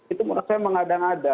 itu menurut saya mengadang ada